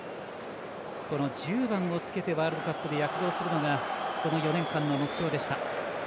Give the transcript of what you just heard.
１０番を着けてワールドカップで躍動するのがこの４年間の目標でした。